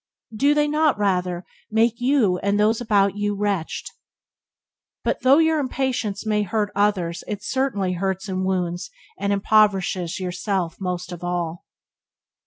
Do they not, rather, make you and those about you wretched? But though your impatience may hurt others it certainly hurts and wounds and impoverishes yourself most of all.